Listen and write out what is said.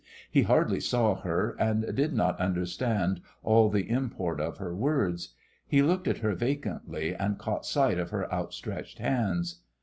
He hardly saw her, and did not understand all the import of her words. He looked at her vacantly, and caught sight of her outstretched hands.